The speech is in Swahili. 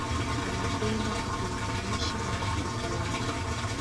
Anapenda kutenganisha marafiki wale